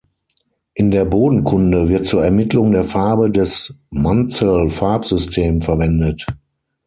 In der Bodenkunde wird zur Ermittlung der Farbe das Munsell-Farbsystem verwendet.